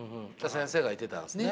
先生がいてたんですね。